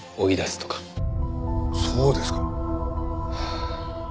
そうですか。